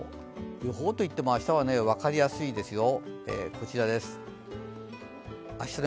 予報といっても、明日は分かりやすいですよ。